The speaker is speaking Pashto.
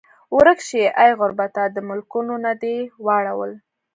ورک شې ای غربته د ملکونو نه دې واړول